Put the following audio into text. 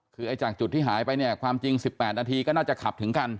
คือจากจุดที่หายไปเนี่ยความจริง๑๘นาทีก็น่าจะขับถึงกัน